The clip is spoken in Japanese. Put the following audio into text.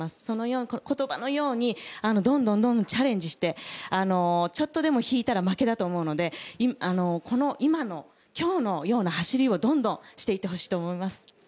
その言葉のようにどんどんチャレンジしてちょっとでも引いたら負けだと思うのできょうのような走りをどんどんしていってほしいと思います。